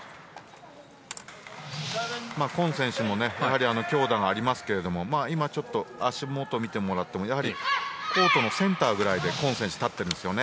コン選手も強打がありますけど今、足元を見てもらってもやはりコートのセンターぐらいでコン選手が立っているんですね。